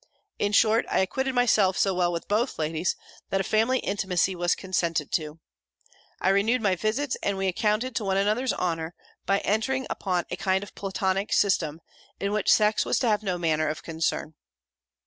In short, I acquitted myself so well with both ladies, that a family intimacy was consented to. I renewed my visits; and we accounted to one another's honour, by entering upon a kind of Platonic system, in which sex was to have no manner of concern.